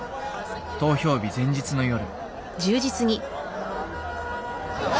投票日前日の夜。